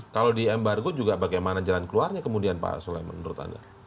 kalau di embargo juga bagaimana jalan keluarnya kemudian pak sulaiman menurut anda